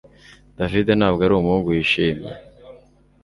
David ntabwo ari umuhungu wishimye